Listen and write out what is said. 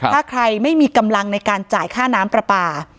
ถ้าใครไม่มีกำลังในการจ่ายค่าน้ำปลาปลา